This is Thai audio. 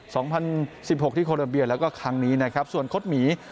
สองพันสิบหกที่โคลาเบียแล้วก็ครั้งนี้นะครับส่วนคดหมี